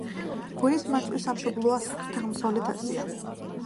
გველის მარწყვის სამშობლოა სამხრეთ-აღმოსავლეთ აზია.